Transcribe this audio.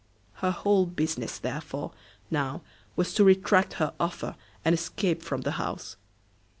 Her whole business, therefore, now, was to retract her offer, and escape from the house.